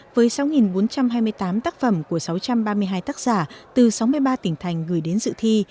với sáu bốn trăm hai mươi tám tác phẩm của sáu trăm ba mươi hai tác giả từ sáu mươi ba tỉnh thành gửi đến dự thi